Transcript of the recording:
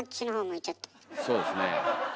そうですね。